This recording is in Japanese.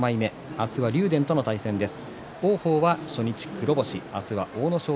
明日は竜電との対戦です。